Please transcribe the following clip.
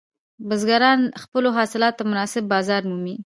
بزګران خپلو حاصلاتو ته مناسب بازار مومي.